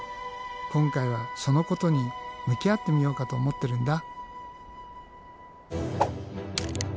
今回はそのことに向き合ってみようかと思ってるんだ。